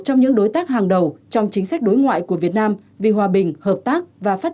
trong những đối tác hàng đầu trong chính sách đối ngoại của việt nam vì hòa bình hợp tác và phát